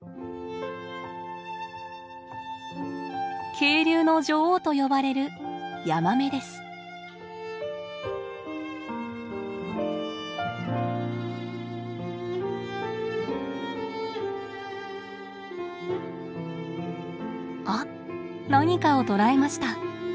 「渓流の女王」と呼ばれるあっ何かを捕らえました。